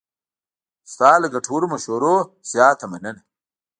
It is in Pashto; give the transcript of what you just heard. ستاسو له ګټورو مشورو نه زیاته مننه.